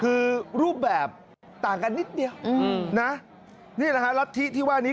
คือรูปแบบต่างกันนิดเดียวนี่แหละค่ะลักษณะที่ว่านี้